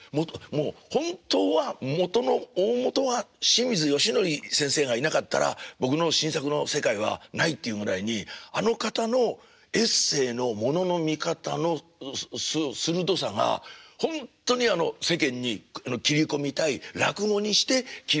もう本当は大本は清水義範先生がいなかったら僕の新作の世界はないっていうぐらいにあの方のエッセーのものの見方の鋭さがほんとに世間に切り込みたい落語にして切り込みたい切り口なんです。